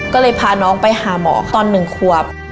ก็เลยพาน้องไปหาหมอตอน๑ควบ